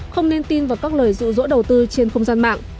không nên tin vào các lời dụ dỗ đầu tư trên không gian mạng